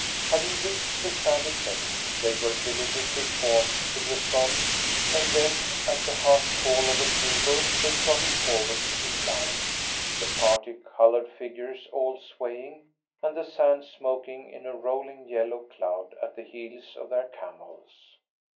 Having reached the sandy plain, they very deliberately formed to the front, and then at the harsh call of a bugle they trotted forward in line, the parti coloured figures all swaying and the sand smoking in a rolling yellow cloud at the heels of their camels.